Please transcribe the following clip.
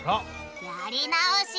やり直し！